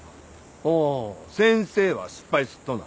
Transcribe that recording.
ほう先生は失敗すっとな？